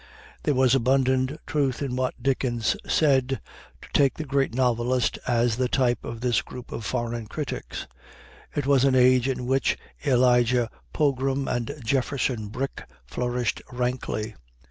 There was abundant truth in what Dickens said, to take the great novelist as the type of this group of foreign critics. It was an age in which Elijah Pogram and Jefferson Brick flourished rankly.